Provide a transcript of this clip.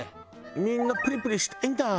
みんなプリプリしたいんだ。